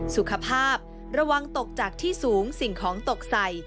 สุขภาพระวังตกจากที่สูงสิ่งของตกใส่